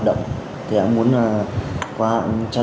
trong tháng này rồi